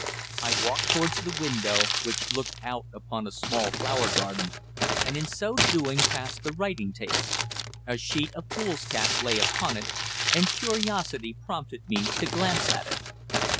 I walked towards the window, which looked out upon a small flower garden, and in so doing, passed the writing table. A sheet of foolscap lay upon it, and curiosity prompted me to glance at it.